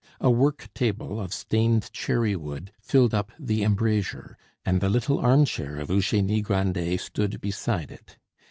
A work table of stained cherry wood filled up the embrasure, and the little armchair of Eugenie Grandet stood beside it.